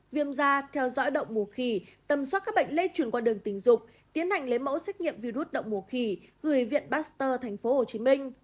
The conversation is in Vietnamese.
viêm da theo dõi động mùa khỉ tầm soát các bệnh lây chuyển qua đường tình dục tiến hành lấy mẫu xét nghiệm virus động mùa khỉ gửi viện pasteur tp hcm